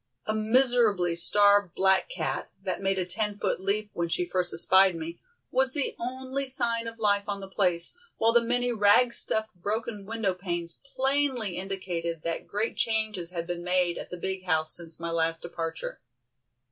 A miserably starved black cat, that made a ten foot leap when she first espied me, was the only sign of life on the place, while the many rag stuffed broken window panes plainly indicated that great changes had been made at the "big" house since my last departure.